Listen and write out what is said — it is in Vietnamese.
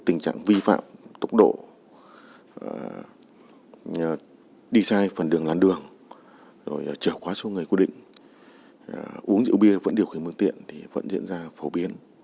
tình trạng vi phạm tốc độ đi sai phần đường làn đường rồi trở quá số người quy định uống rượu bia vẫn điều khiển phương tiện thì vẫn diễn ra phổ biến